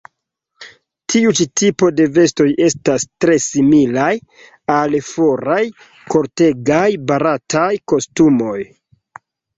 Tiu ĉi tipo de vestoj estas tre similaj al foraj kortegaj barataj kostumoj.